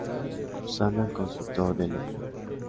Usando el constructor del objeto.